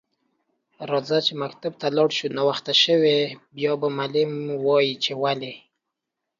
راځه چی مکتب ته لاړ شو ناوخته شو بیا به معلم وایی چی ولی